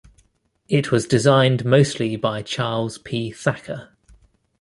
It was designed mostly by Charles P. Thacker.